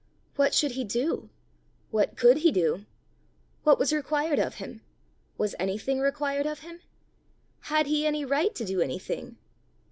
What should he do? What could he do? What was required of him? Was anything required of him? Had he any right to do anything?